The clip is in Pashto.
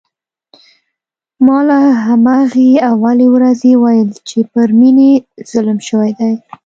ما له همهغې اولې ورځې ویل چې پر مينې ظلم شوی دی